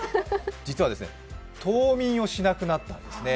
実は冬眠をしなくなったんですね。